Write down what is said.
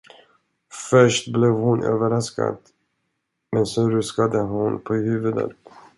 Först blev hon överraskad, men så ruskade hon på huvudet.